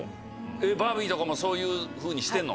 バービーとかもそういうふうにしてんの？